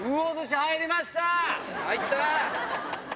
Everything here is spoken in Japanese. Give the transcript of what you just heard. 入った！